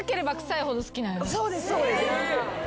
そうですそうです。